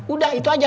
udah itu aja